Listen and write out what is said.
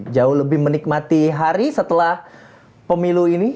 jauh lebih menikmati hari setelah pemilu ini